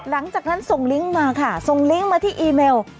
หลังจากนั้นส่งลิงก์มาค่ะส่งลิงก์มาที่อีเมล